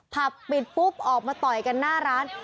ผับปิดปุ๊บออกมาต่อยกันหน้าร้าน